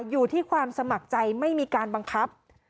อยู่ที่ความสมัครใจไม่มีการบังคับ